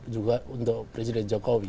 juga untuk presiden jokowi